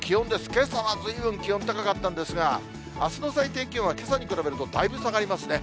けさはずいぶん気温、高かったんですが、あすの最低気温はけさに比べるとだいぶ下がりますね。